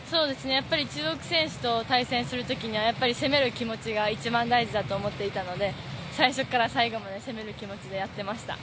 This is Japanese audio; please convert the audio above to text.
中国選手と対戦するときには、攻める気持ちが一番大事だと思っていたので最初から最後まで攻める気持ちでやっていました。